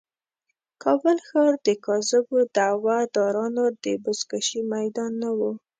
کابل ښار د کاذبو دعوه دارانو د بزکشې میدان نه و.